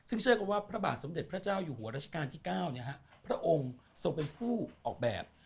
ซึ่งเชื่อกันว่าพระบาทสมเด็จพระเจ้าอยู่หัวราชการที่๙พระองค์ทรงเป็นผู้ออกแบบ